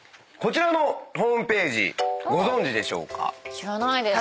知らないです。